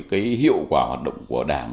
cái hiệu quả hoạt động của đảng